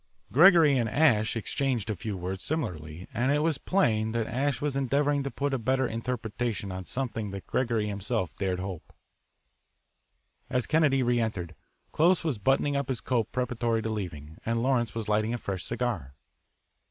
Gregory and Asche exchanged a few words similarly, and it was plain that Asche was endeavouring to put a better interpretation on something than Gregory himself dared hope. As Kennedy re entered, Close was buttoning up his coat preparatory to leaving, and Lawrence was lighting a fresh cigar.